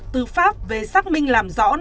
tư pháp về xác minh làm rõ